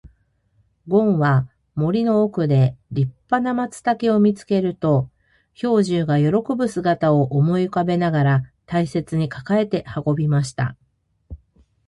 ごんは森の奥で立派な松茸を見つけると、兵十が喜ぶ姿を思い浮かべながら大切に抱えて運びました。